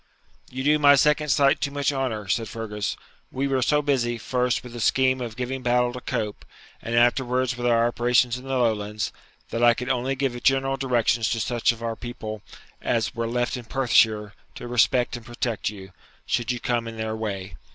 'You do my second sight too much honour,' said Fergus. 'We were so busy, first with the scheme of giving battle to Cope, and afterwards with our operations in the Lowlands, that I could only give general directions to such of our people as were left in Perthshire to respect and protect you, should you come in their way.